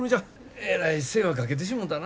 えらい世話かけてしもたな。